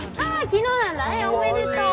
昨日なんだおめでとう